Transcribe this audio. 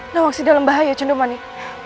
nawangsi dalam bahaya cundomanik